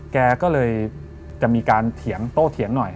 แกก็เลยจะมีการเถียงโตเถียงหน่อย